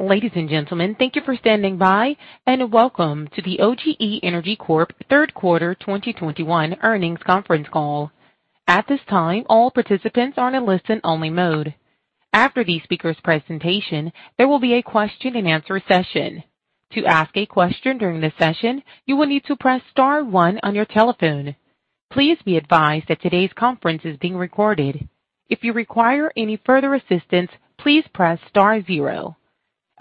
Ladies and gentlemen, thank you for standing by, and welcome to the OGE Energy Corp Q3 2021 Earnings Conference Call. At this time, all participants are in a listen-only mode. After the speaker's presentation, there will be a question-and-answer session. To ask a question during the session, you will need to press star one on your telephone. Please be advised that today's conference is being recorded. If you require any further assistance, please press star zero.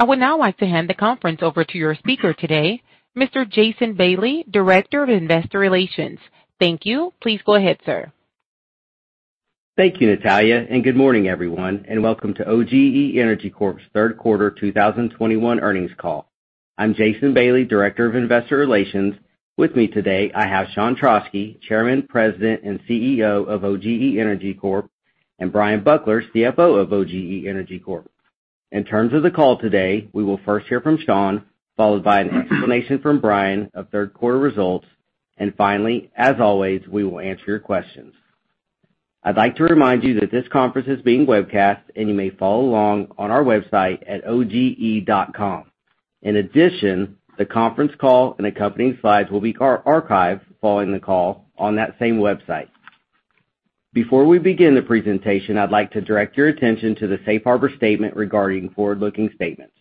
I would now like to hand the conference over to your speaker today, Mr. Jason Bailey, Director of Investor Relations. Thank you. Please go ahead, sir. Thank you, Natalia, and good morning, everyone, and welcome to OGE Energy Corp's Q3 2021 earnings call. I'm Jason Bailey, Director of Investor Relations. With me today, I have Sean Trauschke, Chairman, President, and CEO of OGE Energy Corp, and Bryan Buckler, CFO of OGE Energy Corp. In terms of the call today, we will first hear from Sean, followed by an explanation from Bryan of Q3 results, and finally, as always, we will answer your questions. I'd like to remind you that this conference is being webcast, and you may follow along on our website at oge.com. In addition, the conference call and accompanying slides will be archived following the call on that same website. Before we begin the presentation, I'd like to direct your attention to the Safe Harbor statement regarding forward-looking statements.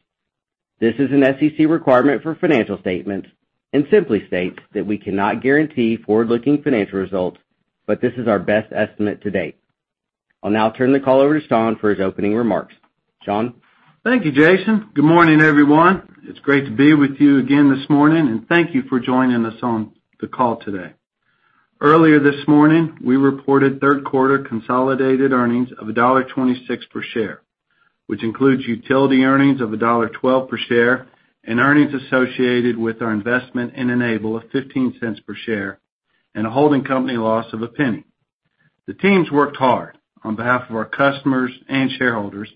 This is an SEC requirement for financial statements and simply states that we cannot guarantee forward-looking financial results, but this is our best estimate to date. I'll now turn the call over to Sean for his opening remarks. Sean? Thank you, Jason. Good morning, everyone. It's great to be with you again this morning, and thank you for joining us on the call today. Earlier this morning, we reported Q3 consolidated earnings of $1.26 per share, which includes utility earnings of $1.12 per share and earnings associated with our investment in Enable of $0.15 per share and a holding company loss of $0.01. The teams worked hard on behalf of our customers and shareholders.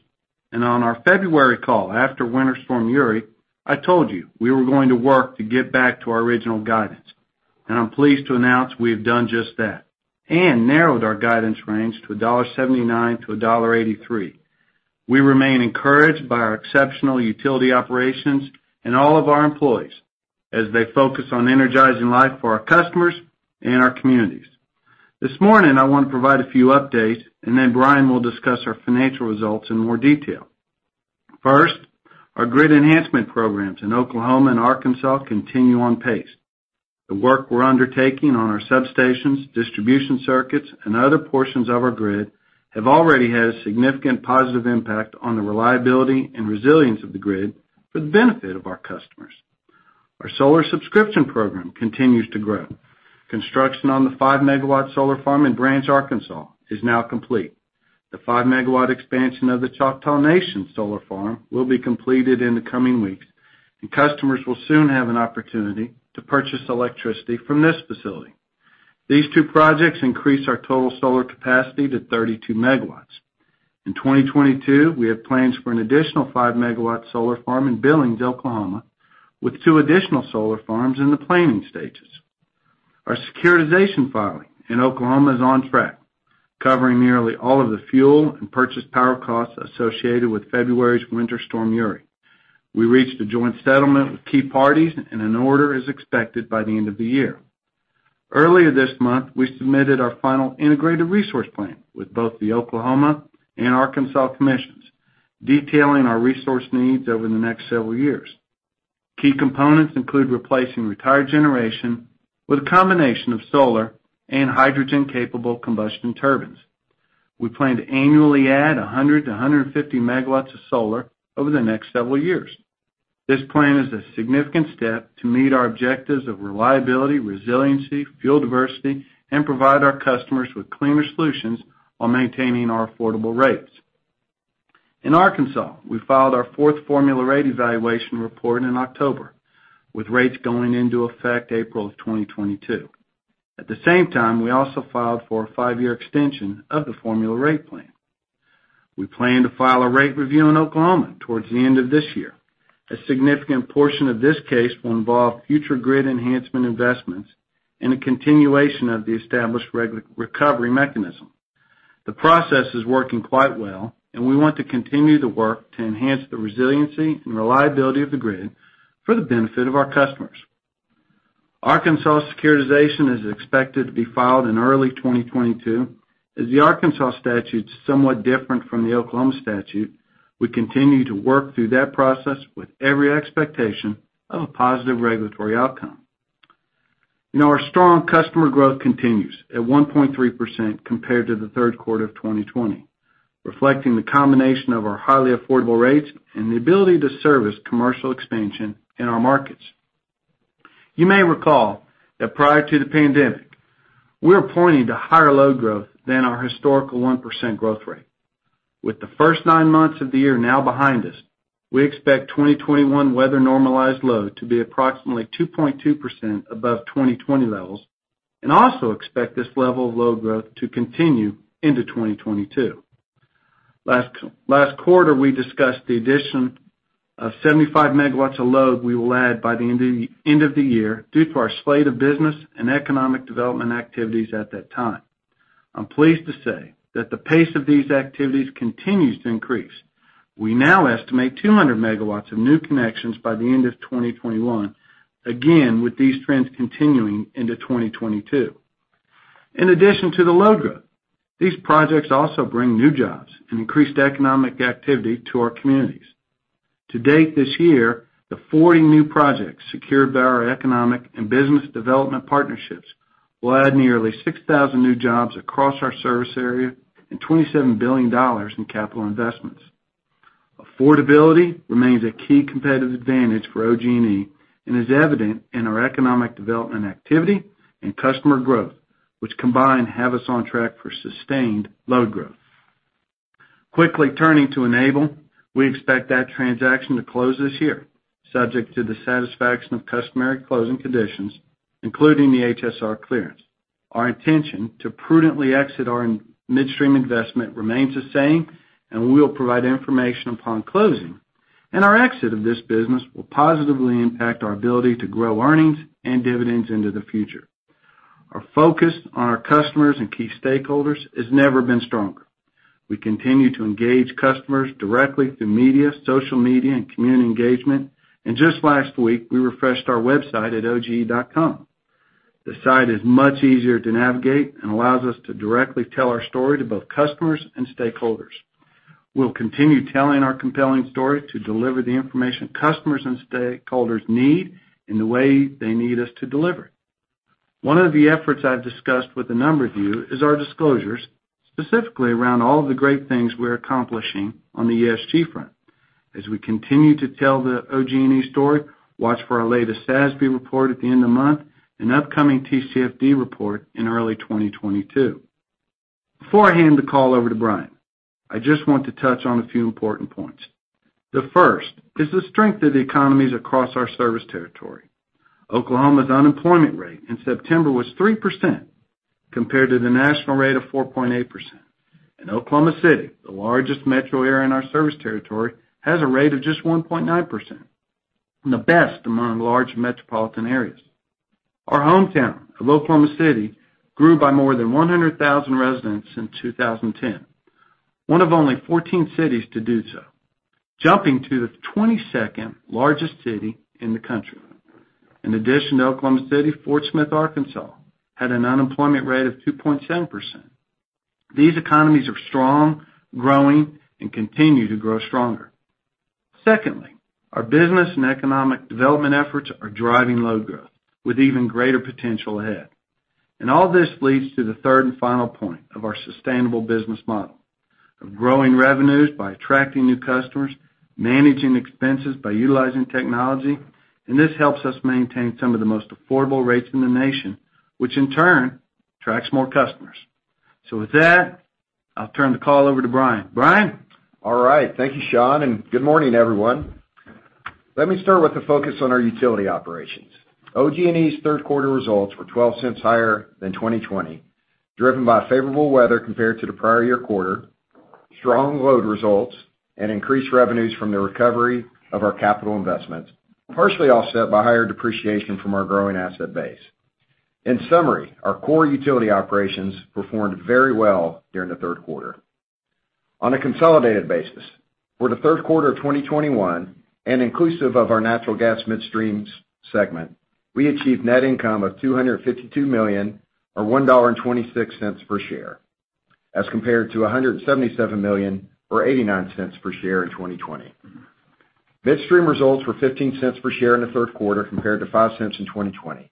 On our February call after Winter Storm Uri, I told you we were going to work to get back to our original guidance, and I'm pleased to announce we have done just that and narrowed our guidance range to $1.79-$1.83. We remain encouraged by our exceptional utility operations and all of our employees as they focus on energizing life for our customers and our communities. This morning, I want to provide a few updates, and then Brian will discuss our financial results in more detail. First, our grid enhancement programs in Oklahoma and Arkansas continue on pace. The work we're undertaking on our substations, distribution circuits, and other portions of our grid have already had a significant positive impact on the reliability and resilience of the grid for the benefit of our customers. Our solar subscription program continues to grow. Construction on the 5-megawatt solar farm in Branch, Arkansas, is now complete. The 5-MW expansion of the Choctaw Nation solar farm will be completed in the coming weeks, and customers will soon have an opportunity to purchase electricity from this facility. These two projects increase our total solar capacity to 32 MW. In 2022, we have plans for an additional 5-MW solar farm in Billings, Oklahoma, with two additional solar farms in the planning stages. Our securitization filing in Oklahoma is on track, covering nearly all of the fuel and purchase power costs associated with February's Winter Storm Uri. We reached a joint settlement with key parties and an order is expected by the end of the year. Earlier this month, we submitted our final integrated resource plan with both the Oklahoma and Arkansas commissions, detailing our resource needs over the next several years. Key components include replacing retired generation with a combination of solar and hydrogen-capable combustion turbines. We plan to annually add 100-150 MW of solar over the next several years. This plan is a significant step to meet our objectives of reliability, resiliency, fuel diversity, and provide our customers with cleaner solutions while maintaining our affordable rates. In Arkansas, we filed our fourth formula rate evaluation report in October, with rates going into effect April 2022. At the same time, we also filed for a five-year extension of the formula rate plan. We plan to file a rate review in Oklahoma towards the end of this year. A significant portion of this case will involve future grid enhancement investments and a continuation of the established regulatory recovery mechanism. The process is working quite well, and we want to continue the work to enhance the resiliency and reliability of the grid for the benefit of our customers. Arkansas securitization is expected to be filed in early 2022. As the Arkansas statute's somewhat different from the Oklahoma statute, we continue to work through that process with every expectation of a positive regulatory outcome. Now our strong customer growth continues at 1.3% compared to the Q3 of 2020, reflecting the combination of our highly affordable rates and the ability to service commercial expansion in our markets. You may recall that prior to the pandemic, we were pointing to higher load growth than our historical 1% growth rate. With the first nine months of the year now behind us, we expect 2021 weather normalized load to be approximately 2.2% above 2020 levels and also expect this level of load growth to continue into 2022. Last quarter, we discussed the addition of 75 MW of load we will add by the end of the year due to our slate of business and economic development activities at that time. I'm pleased to say that the pace of these activities continues to increase. We now estimate 200 MW of new connections by the end of 2021, again, with these trends continuing into 2022. In addition to the load growth, these projects also bring new jobs and increased economic activity to our communities. To date this year, the 40 new projects secured by our economic and business development partnerships will add nearly 6,000 new jobs across our service area and $27 billion in capital investments. Affordability remains a key competitive advantage for OGE and is evident in our economic development activity and customer growth, which combined have us on track for sustained load growth. Quickly turning to Enable, we expect that transaction to close this year, subject to the satisfaction of customary closing conditions, including the HSR clearance. Our intention to prudently exit our midstream investment remains the same, and we'll provide information upon closing. Our exit of this business will positively impact our ability to grow earnings and dividends into the future. Our focus on our customers and key stakeholders has never been stronger. We continue to engage customers directly through media, social media, and community engagement. Just last week, we refreshed our website at oge.com. The site is much easier to navigate and allows us to directly tell our story to both customers and stakeholders. We'll continue telling our compelling story to deliver the information customers and stakeholders need in the way they need us to deliver it. One of the efforts I've discussed with a number of you is our disclosures, specifically around all of the great things we're accomplishing on the ESG front. As we continue to tell the OGE story, watch for our latest SASB report at the end of the month and upcoming TCFD report in early 2022. Before I hand the call over to Bryan, I just want to touch on a few important points. The first is the strength of the economies across our service territory. Oklahoma's unemployment rate in September was 3% compared to the national rate of 4.8%. Oklahoma City, the largest metro area in our service territory, has a rate of just 1.9%, and the best among large metropolitan areas. Our hometown of Oklahoma City grew by more than 100,000 residents in 2010, one of only 14 cities to do so, jumping to the 22nd largest city in the country. In addition to Oklahoma City, Fort Smith, Arkansas, had an unemployment rate of 2.7%. These economies are strong, growing, and continue to grow stronger. Secondly, our business and economic development efforts are driving load growth with even greater potential ahead. All this leads to the third and final point of our sustainable business model of growing revenues by attracting new customers, managing expenses by utilizing technology, and this helps us maintain some of the most affordable rates in the nation, which in turn attracts more customers. With that, I'll turn the call over to Bryan. Bryan? All right. Thank you, Sean, and good morning, everyone. Let me start with the focus on our utility operations. OGE's Q3 results were 12 cents higher than 2020, driven by favorable weather compared to the prior year quarter, strong load results, and increased revenues from the recovery of our capital investments, partially offset by higher depreciation from our growing asset base. In summary, our core utility operations performed very well during the Q3. On a consolidated basis, for the Q3 of 2021 and inclusive of our natural gas midstream segment, we achieved net income of $252 million or $1.26 per share as compared to $177 million or $0.89 per share in 2020. Midstream results were $0.15 per share in the Q3 compared to $0.05 in 2020.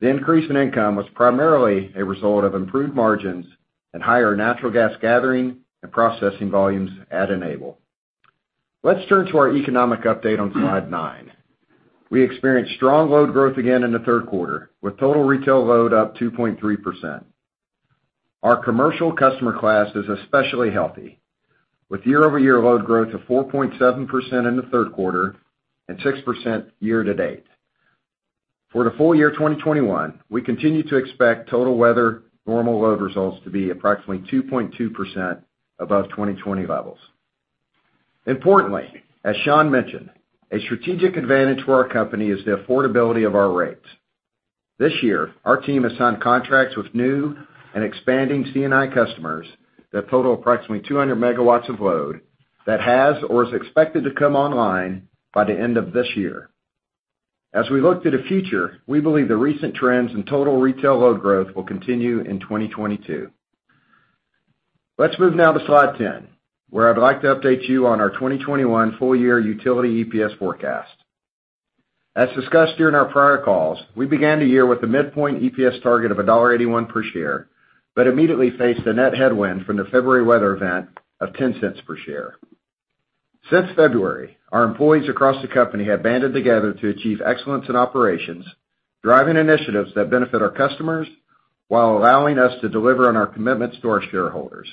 The increase in income was primarily a result of improved margins and higher natural gas gathering and processing volumes at Enable. Let's turn to our economic update on slide nine. We experienced strong load growth again in the Q3, with total retail load up 2.3%. Our commercial customer class is especially healthy, with year-over-year load growth of 4.7% in the Q3 and 6% year to date. For the full year 2021, we continue to expect total weather normal load results to be approximately 2.2% above 2020 levels. Importantly, as Sean mentioned, a strategic advantage for our company is the affordability of our rates. This year, our team has signed contracts with new and expanding C&I customers that total approximately 200 MW of load that has or is expected to come online by the end of this year. As we look to the future, we believe the recent trends in total retail load growth will continue in 2022. Let's move now to slide 10, where I'd like to update you on our 2021 full year utility EPS forecast. As discussed during our prior calls, we began the year with a midpoint EPS target of $1.81 per share, but immediately faced a net headwind from the February weather event of $0.10 per share. Since February, our employees across the company have banded together to achieve excellence in operations, driving initiatives that benefit our customers while allowing us to deliver on our commitments to our shareholders.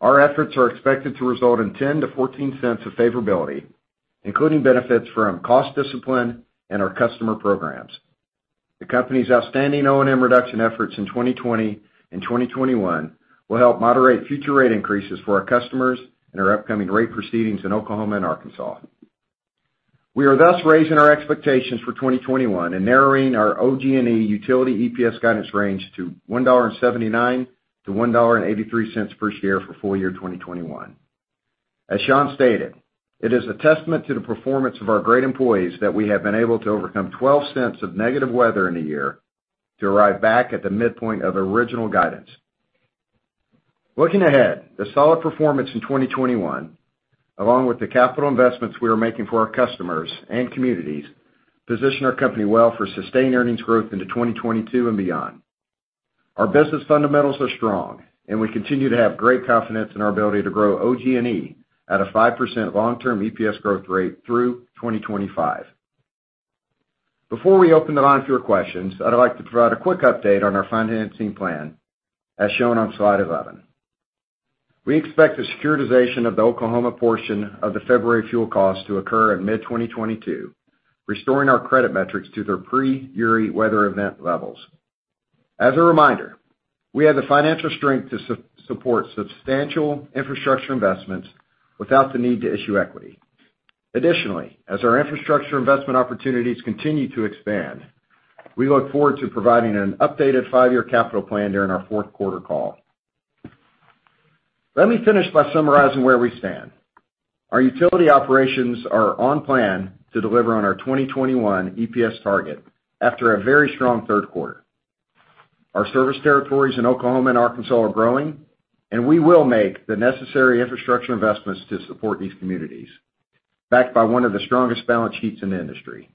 Our efforts are expected to result in $0.10-$0.14 of favorability, including benefits from cost discipline and our customer programs. The company's outstanding O&M reduction efforts in 2020 and 2021 will help moderate future rate increases for our customers and our upcoming rate proceedings in Oklahoma and Arkansas. We are thus raising our expectations for 2021 and narrowing our OG&E utility EPS guidance range to $1.79-$1.83 per share for full year 2021. As Sean stated, it is a testament to the performance of our great employees that we have been able to overcome $0.12 of negative weather in a year to arrive back at the midpoint of original guidance. Looking ahead, the solid performance in 2021, along with the capital investments we are making for our customers and communities, position our company well for sustained earnings growth into 2022 and beyond. Our business fundamentals are strong, and we continue to have great confidence in our ability to grow OG&E at a 5% long-term EPS growth rate through 2025. Before we open the line for your questions, I'd like to provide a quick update on our financing plan as shown on slide 11. We expect the securitization of the Oklahoma portion of the February fuel cost to occur in mid-2022, restoring our credit metrics to their pre-URI weather event levels. As a reminder, we have the financial strength to support substantial infrastructure investments without the need to issue equity. Additionally, as our infrastructure investment opportunities continue to expand, we look forward to providing an updated five-year capital plan during our Q4 call. Let me finish by summarizing where we stand. Our utility operations are on plan to deliver on our 2021 EPS target after a very strong Q3. Our service territories in Oklahoma and Arkansas are growing, and we will make the necessary infrastructure investments to support these communities, backed by one of the strongest balance sheets in the industry.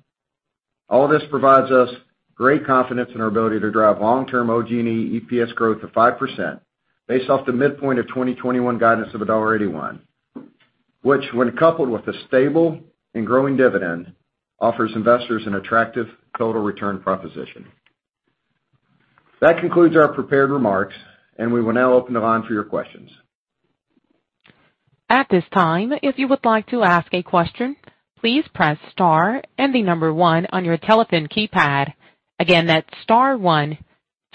All this provides us great confidence in our ability to drive long-term OG&E EPS growth of 5% based off the midpoint of 2021 guidance of $1.81, which when coupled with a stable and growing dividend, offers investors an attractive total return proposition. That concludes our prepared remarks, and we will now open the line for your questions. At this time, if you would like to ask a question, please press star and the number one on your telephone keypad. Again, that's star one.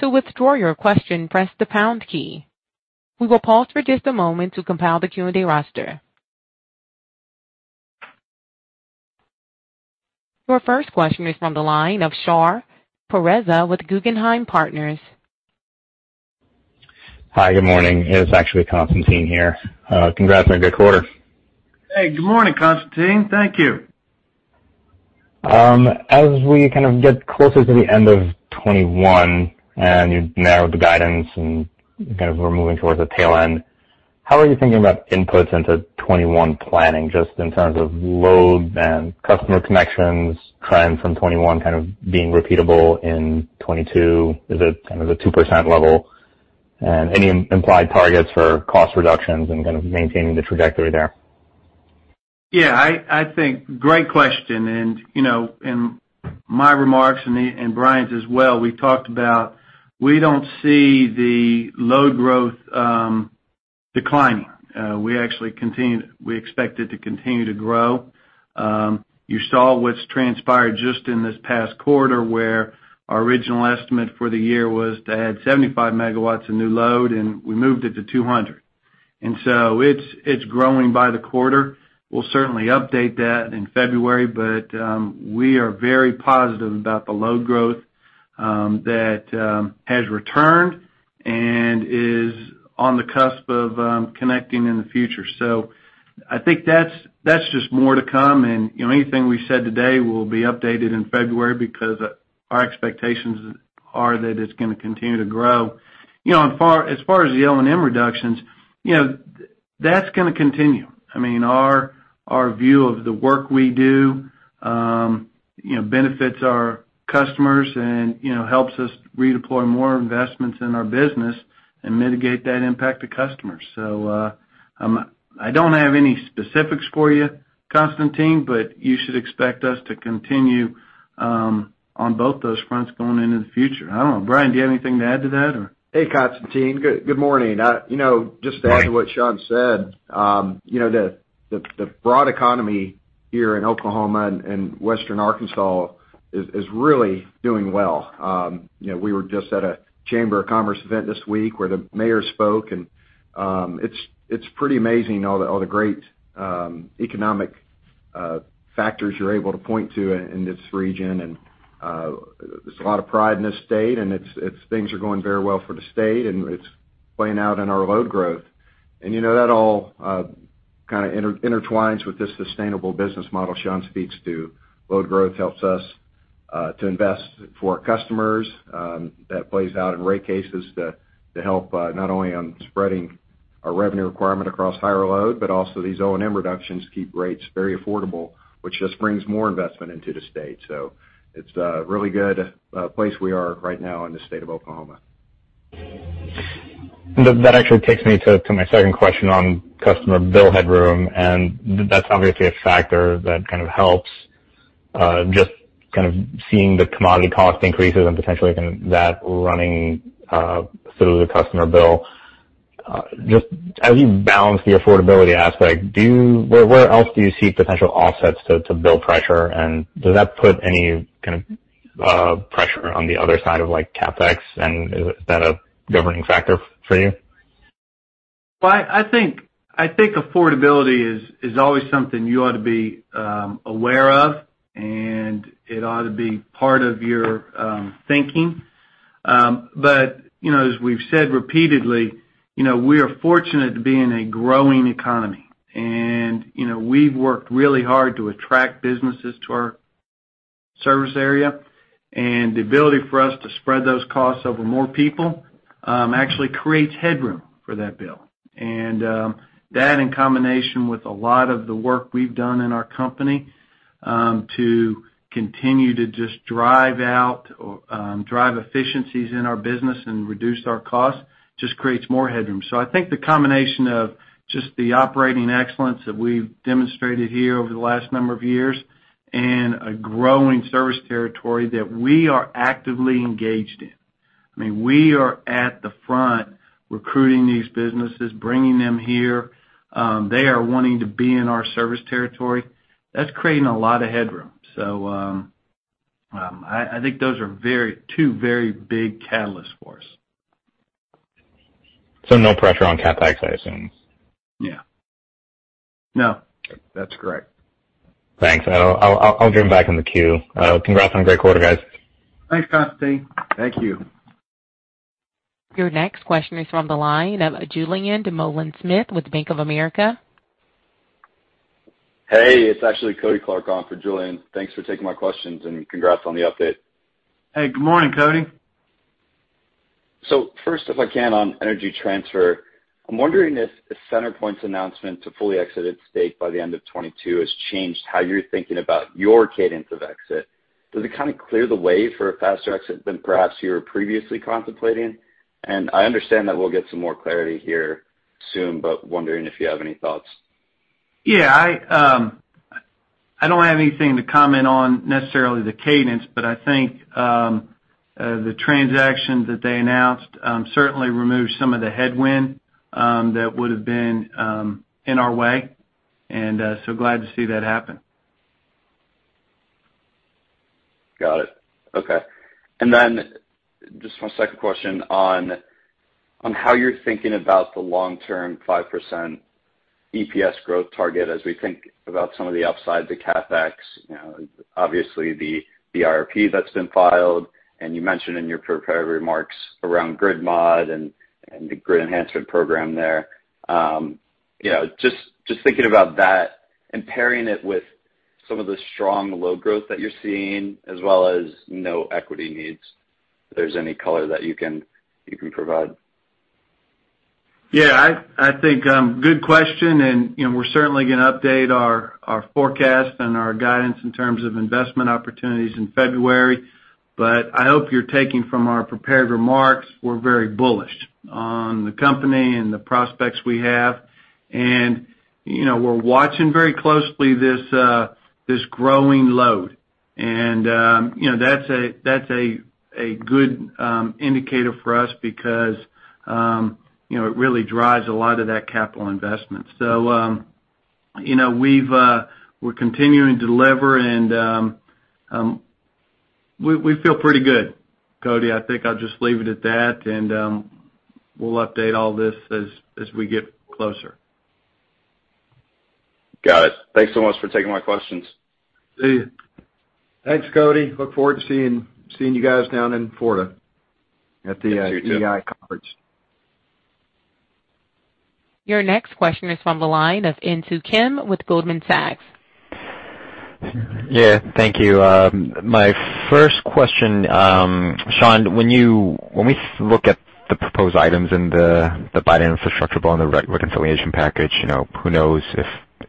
To withdraw your question, press the pound key. We will pause for just a moment to compile the Q&A roster. Your first question is from the line of Shar Pourreza with Guggenheim Partners. Hi, good morning. It's actually Constantine here. Congrats on a good quarter. Hey, good morning, Constantine. Thank you. As we kind of get closer to the end of 2021, and you've narrowed the guidance and kind of we're moving towards the tail end, how are you thinking about inputs into 2021 planning just in terms of load and customer connections, trends from 2021 kind of being repeatable in 2022? Is it kind of the 2% level? Any implied targets for cost reductions and kind of maintaining the trajectory there? Yeah, I think great question. You know, in my remarks and Bryan's as well, we talked about we don't see the load growth declining. We actually expect it to continue to grow. You saw what's transpired just in this past quarter, where our original estimate for the year was to add 75 MW of new load, and we moved it to 200. It's growing by the quarter. We'll certainly update that in February, but we are very positive about the load growth that has returned and is on the cusp of connecting in the future. I think that's just more to come. You know, anything we said today will be updated in February because our expectations are that it's gonna continue to grow. As far as the O&M reductions, that's gonna continue. Our view of the work we do benefits our customers and helps us redeploy more investments in our business and mitigate that impact to customers. I don't have any specifics for you, Constantine, but you should expect us to continue on both those fronts going into the future. I don't know. Bryan, do you have anything to add to that or? Hey, Constantine. Good morning. Just to add to what Sean said, the broad economy here in Oklahoma and western Arkansas is really doing well. You know, we were just at a Chamber of Commerce event this week where the mayor spoke and it's pretty amazing all the great economic factors you're able to point to in this region. There's a lot of pride in this state, and things are going very well for the state, and it's playing out in our load growth. You know, that all kind of intertwines with this sustainable business model Sean speaks to. Load growth helps us to invest for our customers. That plays out in rate cases to help not only on spreading our revenue requirement across higher load, but also these O&M reductions keep rates very affordable, which just brings more investment into the state. It's a really good place we are right now in the state of Oklahoma. That actually takes me to my second question on customer bill headroom, and that's obviously a factor that kind of helps just kind of seeing the commodity cost increases and potentially that running through the customer bill. Just as you balance the affordability aspect, where else do you seek potential offsets to bill pressure? And does that put any kind of pressure on the other side of CapEx? Is that a governing factor for you? Well, I think affordability is always something you ought to be aware of, and it ought to be part of your thinking. You know, as we've said repeatedly, you know, we are fortunate to be in a growing economy. You know, we've worked really hard to attract businesses to our service area. The ability for us to spread those costs over more people actually creates headroom for that bill. That in combination with a lot of the work we've done in our company to continue to just drive efficiencies in our business and reduce our costs just creates more headroom. I think the combination of just the operating excellence that we've demonstrated here over the last number of years and a growing service territory that we are actively engaged in. I mean, we are at the front recruiting these businesses, bringing them here. They are wanting to be in our service territory. That's creating a lot of headroom. I think those are two very big catalysts for us. No pressure on CapEx, I assume. Yeah. No, that's correct. Thanks. I'll jump back in the queue. Congrats on a great quarter, guys. Thanks, Constantine. Thank you. Your next question is from the line of Julien Dumoulin-Smith with Bank of America. Hey, it's actually Cody Clark on for Julien. Thanks for taking my questions, and congrats on the update. Hey, good morning, Cody. First, if I can, on Energy Transfer. I'm wondering if CenterPoint's announcement to fully exit its stake by the end of 2022 has changed how you're thinking about your cadence of exit. Does it kinda clear the way for a faster exit than perhaps you were previously contemplating? I understand that we'll get some more clarity here soon, but wondering if you have any thoughts. Yeah. I don't have anything to comment on necessarily the cadence, but I think the transaction that they announced certainly removes some of the headwind that would have been in our way. Glad to see that happen. Got it. Okay. Just one second question on how you're thinking about the long-term 5% EPS growth target as we think about some of the upside, the CapEx, you know, obviously the IRP that's been filed, and you mentioned in your prepared remarks around grid mod and the grid enhancement program there. You know, just thinking about that and pairing it with some of the strong load growth that you're seeing as well as no equity needs, if there's any color that you can provide. Yeah. I think good question, and you know, we're certainly gonna update our forecast and our guidance in terms of investment opportunities in February. I hope you're taking from our prepared remarks, we're very bullish on the company and the prospects we have. You know, we're watching very closely this growing load. You know, that's a good indicator for us because you know, it really drives a lot of that capital investment. You know, we're continuing to deliver and we feel pretty good, Cody. I think I'll just leave it at that, and we'll update all this as we get closer. Got it. Thanks so much for taking my questions. See you. Thanks, Cody. Look forward to seeing you guys down in Florida at the EEI conference. Your next question is from the line of Insoo Kim with Goldman Sachs. Yeah. Thank you. My first question, Sean, when we look at the proposed items in the Biden infrastructure bill and the reconciliation package, you know, who knows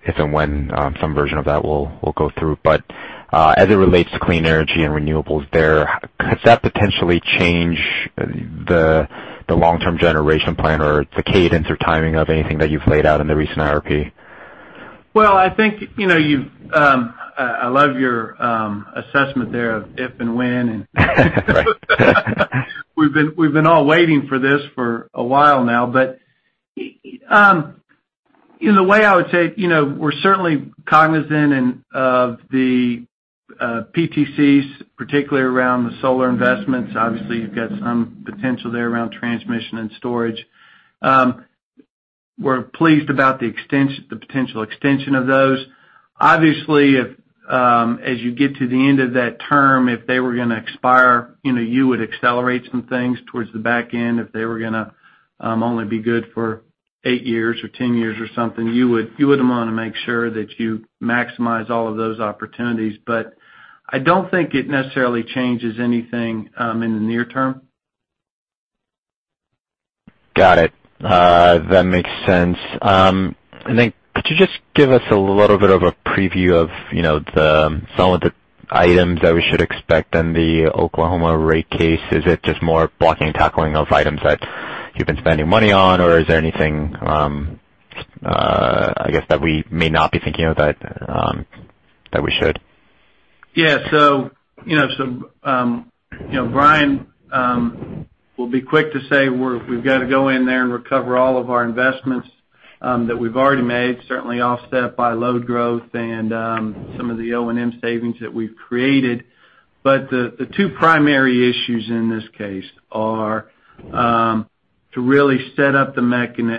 if and when some version of that will go through. As it relates to clean energy and renewables there, could that potentially change the long-term generation plan or the cadence or timing of anything that you've laid out in the recent IRP? Well, I think, you know, I love your assessment there of if and when. Right. We've been all waiting for this for a while now. In a way, I would say, you know, we're certainly cognizant of the PTCs, particularly around the solar investments. Obviously, you've got some potential there around transmission and storage. We're pleased about the potential extension of those. Obviously, if as you get to the end of that term, if they were gonna expire, you know, you would accelerate some things towards the back end if they were gonna only be good for 8 years or 10 years or something. You would wanna make sure that you maximize all of those opportunities. I don't think it necessarily changes anything in the near term. Got it. That makes sense. Could you just give us a little bit of a preview of, you know, some of the items that we should expect in the Oklahoma rate case? Is it just more blocking and tackling of items that you've been spending money on, or is there anything I guess that we may not be thinking of that we should? Yeah. You know, some, you know, Bryan will be quick to say we've gotta go in there and recover all of our investments that we've already made, certainly offset by load growth and some of the O&M savings that we've created. The two primary issues in this case are to really continue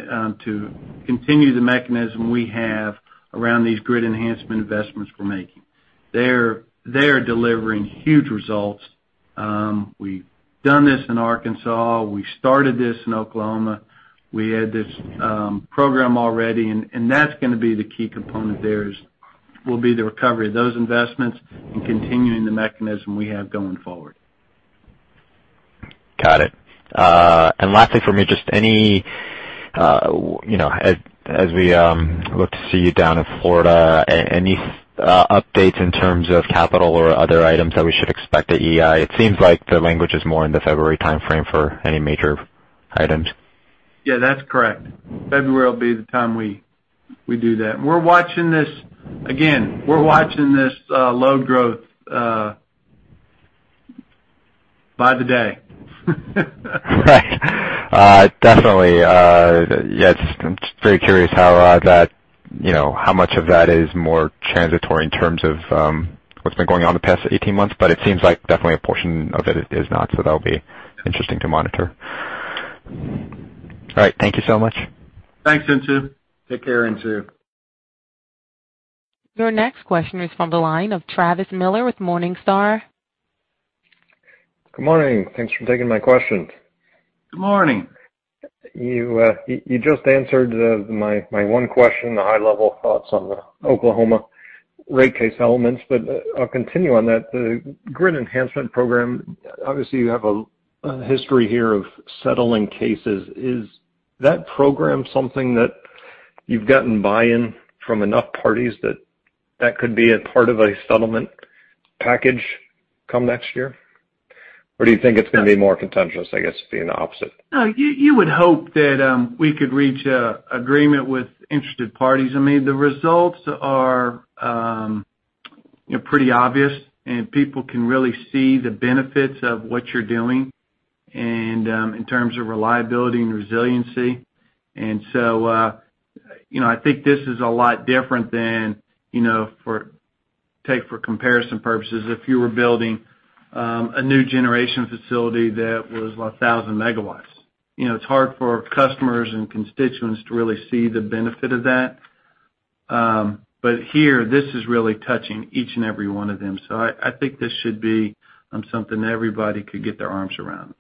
the mechanism we have around these grid enhancement investments we're making. They're delivering huge results. We've done this in Arkansas. We started this in Oklahoma. We had this program already, and that's gonna be the key component there will be the recovery of those investments and continuing the mechanism we have going forward. Got it. Lastly for me, just any, as we look to see you down in Florida, any updates in terms of capital or other items that we should expect at EEI? It seems like the language is more in the February timeframe for any major items. Yeah, that's correct. February will be the time we do that. We're watching this. Again, we're watching this, load growth, by the day. Right. Definitely. Yes, I'm just very curious how that, you know, how much of that is more transitory in terms of what's been going on the past 18 months, but it seems like definitely a portion of it is not, so that'll be interesting to monitor. All right. Thank you so much. Thanks, Insoo. Take care, Insoo. Your next question is from the line of Travis Miller with Morningstar. Good morning. Thanks for taking my questions. Good morning. You just answered my one question, the high-level thoughts on the Oklahoma rate case elements, but I'll continue on that. The Grid Enhancement Program, obviously, you have a history here of settling cases. Is that program something that you've gotten buy-in from enough parties that that could be a part of a settlement package come next year? Or do you think it's gonna be more contentious, I guess, being the opposite? No, you would hope that we could reach an agreement with interested parties. I mean, the results are, you know, pretty obvious, and people can really see the benefits of what you're doing and in terms of reliability and resiliency. You know, I think this is a lot different than, you know, take for comparison purposes, if you were building a new generation facility that was 1,000 MW. You know, it's hard for customers and constituents to really see the benefit of that. Here, this is really touching each and every one of them. I think this should be something everybody could get their arms around.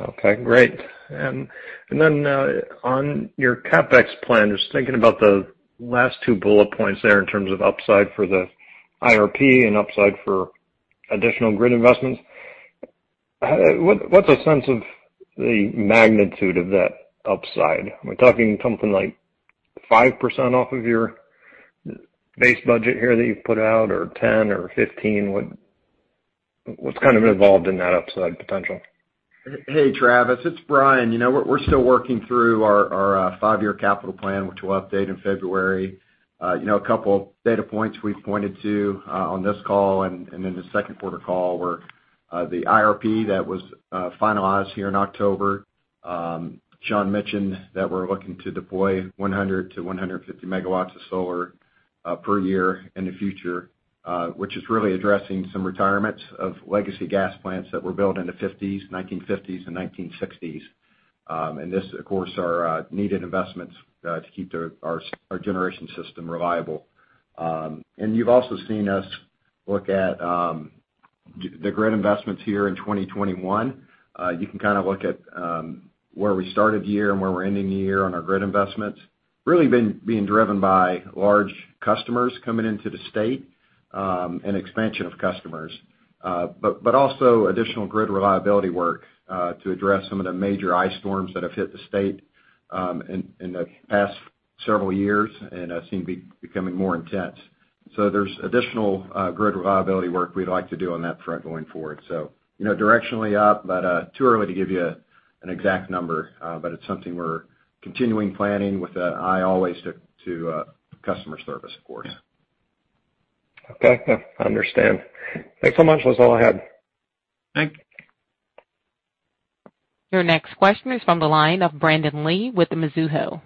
Okay, great. On your CapEx plan, just thinking about the last two bullet points there in terms of upside for the IRP and upside for additional grid investments. What's a sense of the magnitude of that upside? Are we talking something like 5% off of your base budget here that you've put out, or 10 or 15? What's kind of involved in that upside potential? Hey, Travis, it's Bryan. You know, we're still working through our five-year capital plan, which we'll update in February. You know, a couple data points we pointed to on this call and in the Q2 call were the IRP that was finalized here in October. Sean mentioned that we're looking to deploy 100-150 MW of solar per year in the future, which is really addressing some retirements of legacy gas plants that were built in the 1950s and 1960s. This, of course, are needed investments to keep our generation system reliable. You've also seen us look at the grid investments here in 2021. You can kinda look at where we started the year and where we're ending the year on our grid investments really been being driven by large customers coming into the state and expansion of customers. Also additional grid reliability work to address some of the major ice storms that have hit the state in the past several years and seem to be becoming more intense. There's additional grid reliability work we'd like to do on that front going forward. You know, directionally up, but too early to give you an exact number. It's something we're continuing planning with an eye always to customer service, of course. Okay. I understand. Thanks so much. That's all I had. Thank you. Your next question is from the line of Brandon Lee with Mizuho.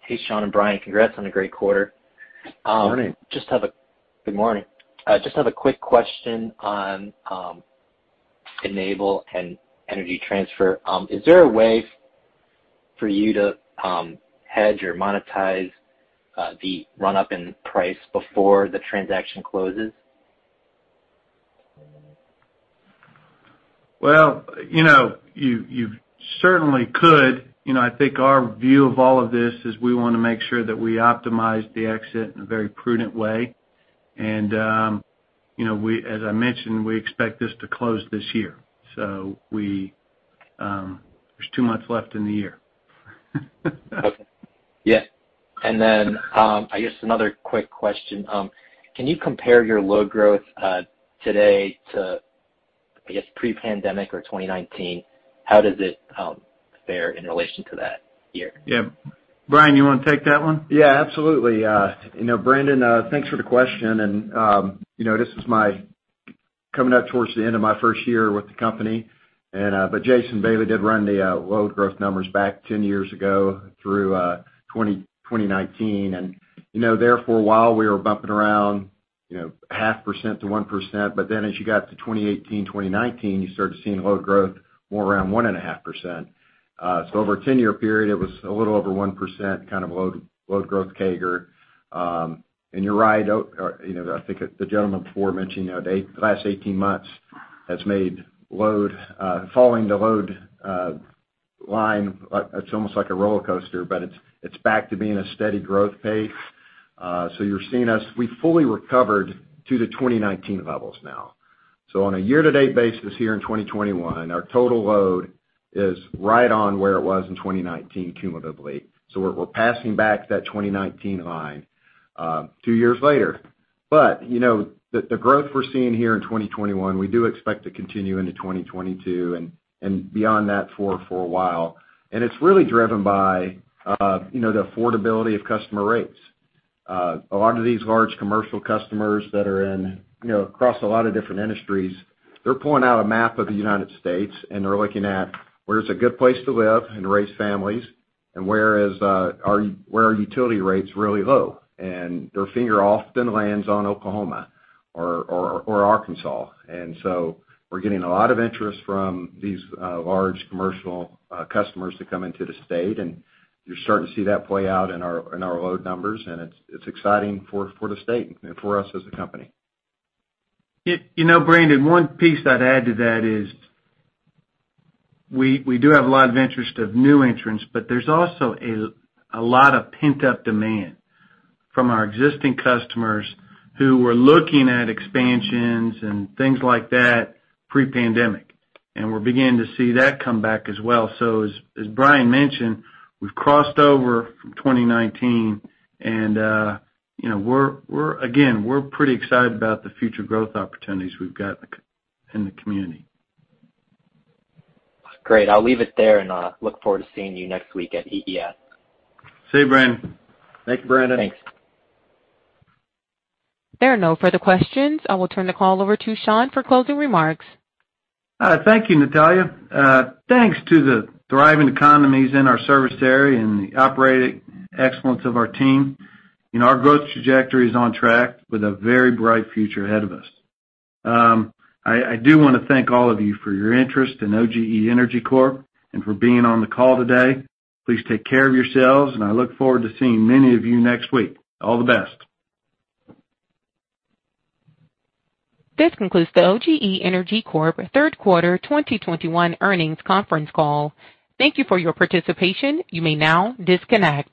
Hey, Sean and Bryan. Congrats on a great quarter. Morning. Good morning. I just have a quick question on Enable and Energy Transfer. Is there a way for you to hedge or monetize the run-up in price before the transaction closes? Well, you know, you certainly could. You know, I think our view of all of this is we wanna make sure that we optimize the exit in a very prudent way. As I mentioned, we expect this to close this year. There's two months left in the year. Okay. Yeah. I guess another quick question. Can you compare your load growth today to, I guess, pre-pandemic or 2019? How does it fare in relation to that year? Yeah. Bryan, you wanna take that one? Yeah, absolutely. You know, Brandon, thanks for the question. This is me coming up towards the end of my first year with the company, but Jason Bailey did run the load growth numbers back 10 years ago through 2010-2019. You know, therefore, while we were bumping around, you know, 0.5%-1%, but then as you got to 2018-2019, you started seeing load growth more around 1.5%. Over a 10-year period, it was a little over 1% kind of load growth CAGR. You're right. Oh, you know, I think the gentleman before mentioned, you know, the last 18 months has made load following the load line. It's almost like a rollercoaster, but it's back to being a steady growth pace. You're seeing us. We fully recovered to the 2019 levels now. On a year-to-date basis here in 2021, our total load is right on where it was in 2019 cumulatively. We're passing back that 2019 line two years later. You know, the growth we're seeing here in 2021, we do expect to continue into 2022 and beyond that for a while. It's really driven by you know the affordability of customer rates. A lot of these large commercial customers that are in, you know, across a lot of different industries, they're pulling out a map of the United States, and they're looking at where's a good place to live and raise families and where are utility rates really low. Their finger often lands on Oklahoma or Arkansas. We're getting a lot of interest from these large commercial customers to come into the state, and you're starting to see that play out in our load numbers, and it's exciting for the state and for us as a company. You know, Brandon, one piece I'd add to that is we do have a lot of interest from new entrants, but there's also a lot of pent-up demand from our existing customers who were looking at expansions and things like that pre-pandemic. We're beginning to see that come back as well. As Bryan mentioned, we've crossed over from 2019 and you know, we're pretty excited about the future growth opportunities we've got in the community. Great. I'll leave it there, and I'll look forward to seeing you next week at EEI. See you, Brandon. Thank you, Brandon. Thanks. There are no further questions. I will turn the call over to Sean for closing remarks. Thank you, Natalia. Thanks to the thriving economies in our service area and the operating excellence of our team, our growth trajectory is on track with a very bright future ahead of us. I do wanna thank all of you for your interest in OGE Energy Corp and for being on the call today. Please take care of yourselves, and I look forward to seeing many of you next week. All the best. This concludes the OGE Energy Corp. Q3 2021 earnings conference call. Thank you for your participation. You may now disconnect.